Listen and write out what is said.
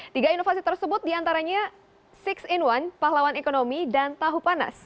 tiga inovasi tersebut diantaranya enam in satu pahlawan ekonomi dan tahu panas